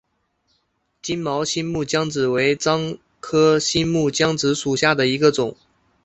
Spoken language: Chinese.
金毛新木姜子为樟科新木姜子属下的一个种。